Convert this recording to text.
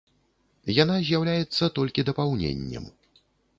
Яна з'яўляецца толькі дапаўненнем.